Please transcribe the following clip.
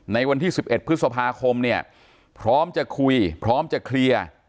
ในวันที่๑๑พฤษภาคมเนี่ยพร้อมจะคุยพร้อมจะเคลียร์